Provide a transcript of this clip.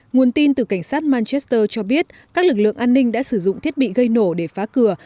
nguồn tin từ cảnh sát malchester cho biết các lực lượng an ninh đã sử dụng thiết bị gây nổ để phá cửa